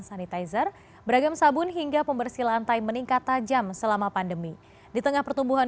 sanitizer beragam sabun hingga pembersih lantai meningkat tajam selama pandemi di tengah pertumbuhan